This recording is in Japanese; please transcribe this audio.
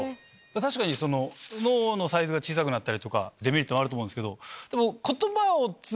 確かに脳のサイズが小さくなったりデメリットはあると思うけど。